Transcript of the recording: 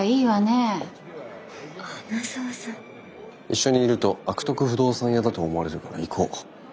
一緒にいると悪徳不動産屋だと思われるから行こう。